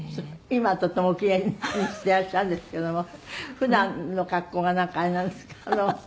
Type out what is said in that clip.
今はとてもお奇麗にしていらっしゃるんですけども普段の格好がなんかあれなんですか？